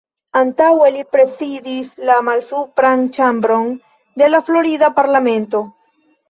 Antaŭe li prezidis la malsupran ĉambron de la florida parlamento.